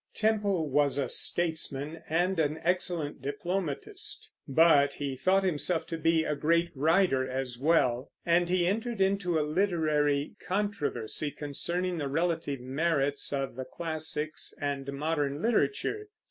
Temple was a statesman and an excellent diplomatist; but he thought himself to be a great writer as well, and he entered into a literary controversy concerning the relative merits of the classics and modern literature.